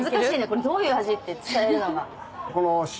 どういう味って伝えるのが。